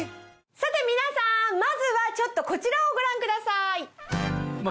さて皆さんまずはちょっとこちらをご覧ください。